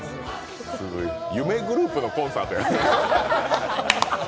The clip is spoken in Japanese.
夢グループのコンサート。